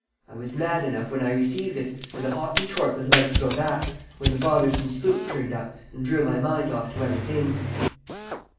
I was mad enough when I received it, and a hot retort was about to go back, when the bothersome spook turned up and drew my mind off to other things.